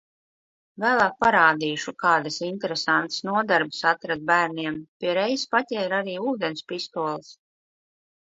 Vēlāk parādīšu, kādas interesantas nodarbes atradu bērniem. Pie reizes paķēru arī ūdens pistoles.